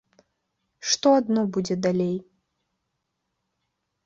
Што адно будзе далей!